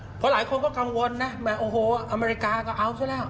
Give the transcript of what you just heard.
เพราะหลายคนก็กังวลนะโอ้โหอเมริกาก็เอาซะแล้ว